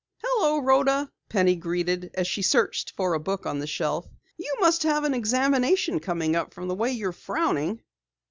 "Hello, Rhoda," Penny greeted as she searched for a book on the shelf. "You must have an examination coming up from the way you are frowning!"